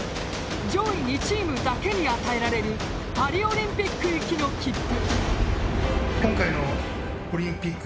上位２チームだけに与えられるパリオリンピック行きの切符。